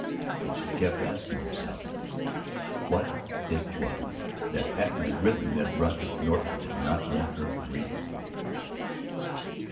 But she kept asking herself what it was that Patten had written that Roderick Norton did not want her to read.